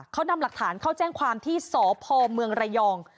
เขานำหลักฐานเข้าแจ้งความที่สพเมืองระยอง